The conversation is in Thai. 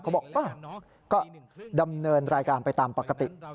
เขาบอกก็ดำเนินรายการไปตามปกติ